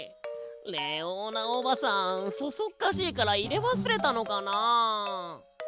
レオーナおばさんそそっかしいからいれわすれたのかな？